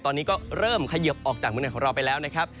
ตอนนี้ก็เริ่มขยิบออกจากเมืองอิสานของเราไปแล้ว